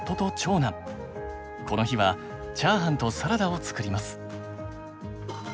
この日はチャーハンとサラダをつくります。